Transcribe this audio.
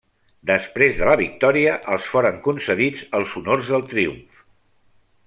Després de la victòria els foren concedits els honors del triomf.